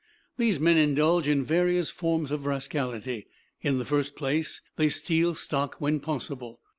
These men indulge in various forms of rascality. In the first place they steal stock when possible.